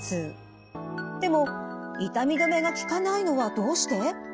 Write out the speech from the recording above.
でも痛み止めが効かないのはどうして？